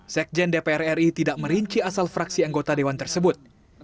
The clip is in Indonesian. sekjen dprri tidak merinci asal fraksi anggota dewan tersebut